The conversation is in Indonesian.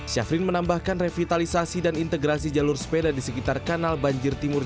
syafrin menambahkan revitalisasi dan integrasi jalur sepeda di sekitar kanal banjir timur